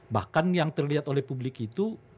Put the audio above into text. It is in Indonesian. bahkan yang terlihat oleh publik itu